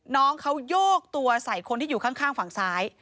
น้องเขาโยกตัวใส่คนที่อยู่ข้างฝั่งซ้าย